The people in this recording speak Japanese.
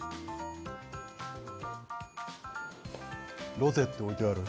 ロゼって置いてある？